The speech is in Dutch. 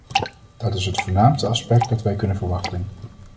Dat is het voornaamste aspect dat wij kunnen verwachten.